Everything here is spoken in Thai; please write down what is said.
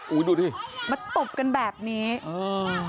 ดูดิมาตบกันแบบนี้อืม